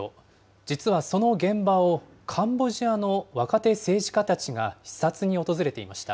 実はその現場を、カンボジアの若手政治家たちが視察に訪れていました。